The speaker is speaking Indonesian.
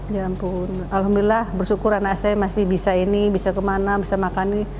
ya ampun alhamdulillah bersyukur anak saya masih bisa ini bisa kemana bisa makan ini